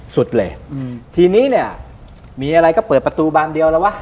สุดเลยอืมทีนี้เนี่ยมีอะไรก็เปิดประตูบานเดียวแล้ววะ